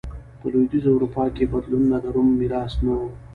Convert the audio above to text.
په لوېدیځه اروپا کې بدلونونه د روم میراث نه و